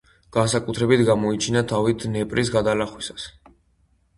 განსაკუთრებით გამოიჩინა თავი დნეპრის გადალახვისას.